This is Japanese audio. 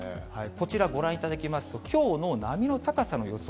こちらご覧いただきますと、きょうの波の高さの予想。